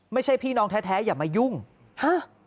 ไม่ใช่พี่น้องแท้อย่ามายุ่งฮะ